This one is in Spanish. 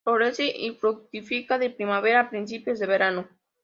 Florece y fructifica de primavera a principios de verano.